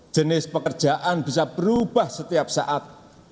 jenis pekerjaan bisa berubah setiap saat